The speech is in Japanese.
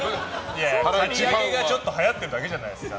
刈り上げがちょっとはやってるだけじゃないですか。